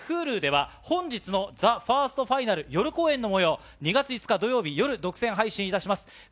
Ｈｕｌｕでは、本日のＴＨＥＦＩＲＳＴＦＩＮＡＬ夜公演のもよう、２月５日土曜日夜、独占配信いたします。